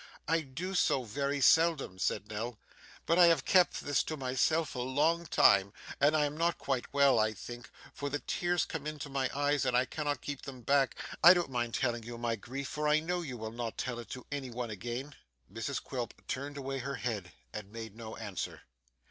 'I do so very seldom,' said Nell, 'but I have kept this to myself a long time, and I am not quite well, I think, for the tears come into my eyes and I cannot keep them back. I don't mind telling you my grief, for I know you will not tell it to any one again.' Mrs Quilp turned away her head and made no answer.